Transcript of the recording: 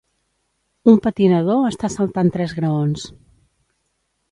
Un patinador està saltant tres graons.